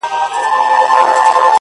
څه عجيبه جوارگر دي اموخته کړم ـ